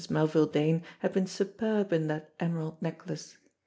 Melville Dane had been superb in that emerald necklace.